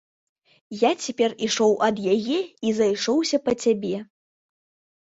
Я цяпер ішоў ад яе і зайшоўся па цябе.